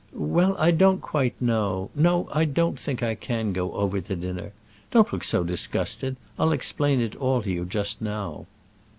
"Well, I don't quite know. No, I don't think I can go over to dinner. Don't look so disgusted. I'll explain it all to you just now."